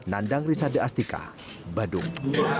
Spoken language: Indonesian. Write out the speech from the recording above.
nandang risade astika badung